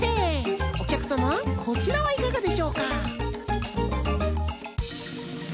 おきゃくさまこちらはいかがでしょうか？